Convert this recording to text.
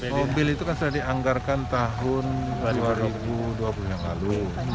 mobil itu kan sudah dianggarkan tahun dua ribu dua puluh yang lalu